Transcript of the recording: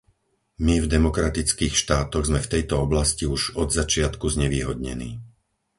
My v demokratických štátoch sme v tejto oblasti už od začiatku znevýhodnení.